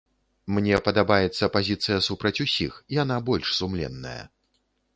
Мне падабаецца пазіцыя супраць усіх, яна больш сумленная.